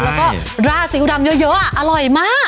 แล้วก็ราดซิ้วดำเยอะอร่อยมาก